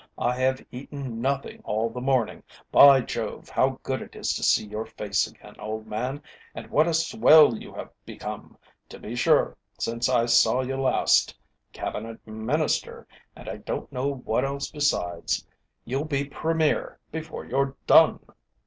"I have eaten nothing all the morning. By Jove! how good it is to see your face again, old man, and what a swell you have become, to be sure, since I saw you last Cabinet Minister, and I don't know what else besides. You'll be Premier before you've done."